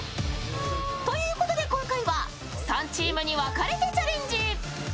ということで、今回は３チームに分かれてチャレンジ。